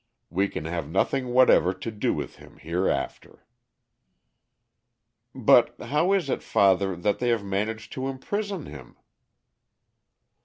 We can have nothing whatever to do with him hereafter." "But how is it, father, that they have managed to imprison him?"